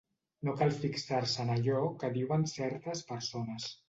No cal fixar-se en allò que diuen certes persones.